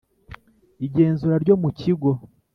igenzura ryo mu kigo